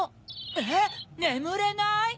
えっねむれない？